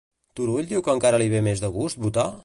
Turull diu que encara li ve més de gust votar?